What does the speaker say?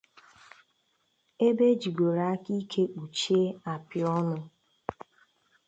Ebe e jigoro aka ike kpuchie apịa ọnụ